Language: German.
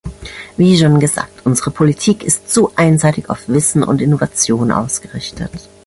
Wie schon gesagt, unsere Politik ist zu einseitig auf Wissen und Innovation ausgerichtet.